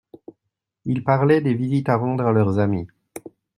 Ils parlaient des visites à rendre à leurs amis.